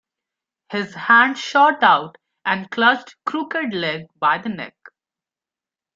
His hand shot out and clutched Crooked-Leg by the neck.